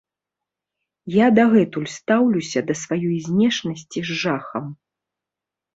Я дагэтуль стаўлюся да сваёй знешнасці з жахам.